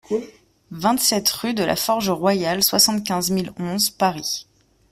vingt-sept rue de la Forge Royale, soixante-quinze mille onze Paris